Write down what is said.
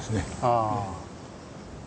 ああ。